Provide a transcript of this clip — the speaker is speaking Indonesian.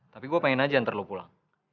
tapi gue pengen aja ntar lu pulang